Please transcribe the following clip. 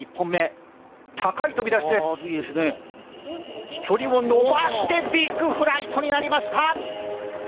飛距離を延ばしてビッグフライトになりました！